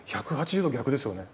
１８０度逆ですよね。